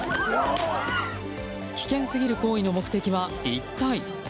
危険すぎる行為の目的は一体。